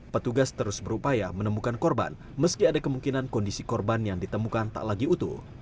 petugas terus berupaya menemukan korban meski ada kemungkinan kondisi korban yang ditemukan tak lagi utuh